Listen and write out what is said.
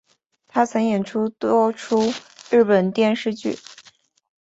她曾演出多出日本电视剧。